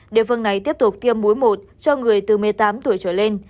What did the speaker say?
địa phương này tiếp tục tiêm muối một cho người từ một mươi tám tuổi trở lên